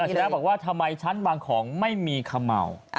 คุณอัชริยะบอกว่าทำไมชั้นวางของไม่มีท่าเมา